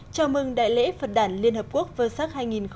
chào mừng đại lễ phật đản liên hợp quốc vê sác hai nghìn một mươi chín